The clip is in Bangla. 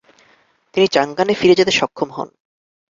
তিনি চাংগানে ফিরে যেতে সক্ষম হন।